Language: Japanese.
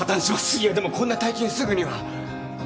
いやでもこんな大金すぐには。